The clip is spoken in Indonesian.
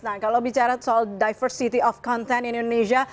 nah kalau bicara tentang diversitas konten di indonesia